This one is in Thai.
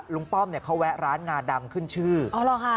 ป้อมเนี่ยเขาแวะร้านงาดำขึ้นชื่ออ๋อเหรอคะ